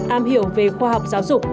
am hiểu về khoa học giáo dục